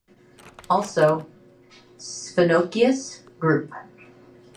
Also "Sphenoeacus" group".